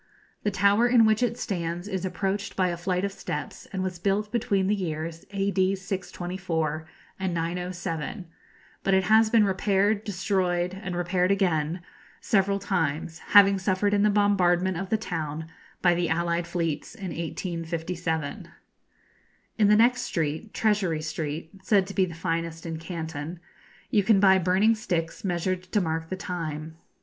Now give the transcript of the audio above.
The tower in which it stands is approached by a flight of steps, and was built between the years A.D. 624 and 907; but it has been repaired, destroyed, and repaired again, several times, having suffered in the bombardment of the town by the allied fleets in 1857. In the next street, Treasury Street (said to be the finest in Canton), you can buy burning sticks measured to mark the time.